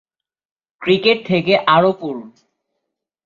cricket থেকে আরও পড়ুন